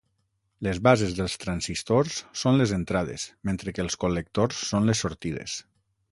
Les bases dels transistors són les entrades, mentre que els col·lectors són les sortides.